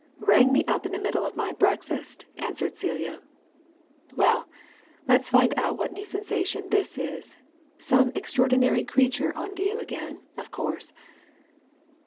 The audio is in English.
"Rang me up in the middle of my breakfast," answered Celia. "Well let's find out what new sensation this is. Some extraordinary creature on view again, of course."